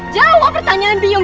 jawab pertanyaan biyung